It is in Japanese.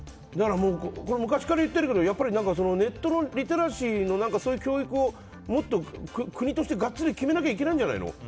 昔から言ってるけどやっぱりネットのリテラシーのそういう教育をもっと国としてガッツリ決めなきゃいけないんじゃないの？